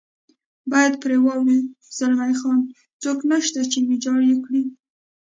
باید پرې واوړو، زلمی خان: څوک نشته چې ویجاړ یې کړي.